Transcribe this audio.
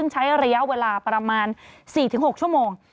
ใช้ระยะเวลาประมาณ๔๖ชั่วโมง